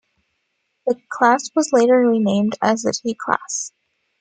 The class was later renamed as the T class.